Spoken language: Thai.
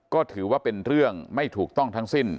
ก็ถือว่าเป็นเรื่องไม่ถูกต้องทั้งสิ้น